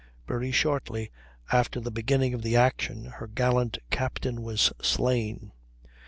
Very shortly after the beginning of the action her gallant captain was slain.